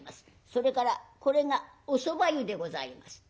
それからこれがおそば湯でございます」。